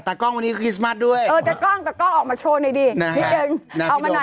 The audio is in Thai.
เดี๋ยวน้ำลงแล้วไฟดูดนะครับ